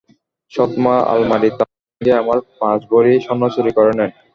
সৎমা আলমারির তালা ভেঙে আমার পাঁচ ভরি স্বর্ণ চুরি করে নেন।